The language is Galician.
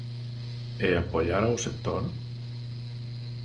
E apoiar ao sector?